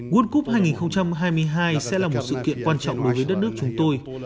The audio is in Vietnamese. world cup hai nghìn hai mươi hai sẽ là một sự kiện quan trọng đối với đất nước chúng tôi